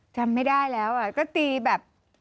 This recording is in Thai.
จำไม่ได้แล้วก็ตีแบบ